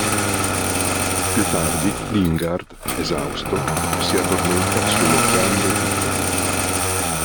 Più tardi Lingard, esausto, si addormenta sulle gambe di Edith.